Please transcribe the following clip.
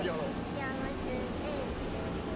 ピアノ習字水泳。